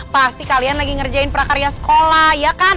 pasti kalian lagi ngerjain prakarya sekolah ya kan